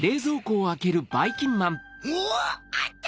おっあった！